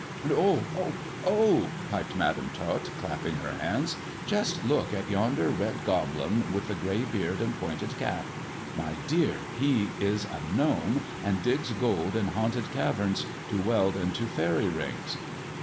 And oh ! oh ! oh !" piped Madam Tot, clapping her hands, " just look at yonder red goblin with the grey beard and pointed cap. My dear, he is a gnome, and digs gold in haunted caverns to weld into faery rings."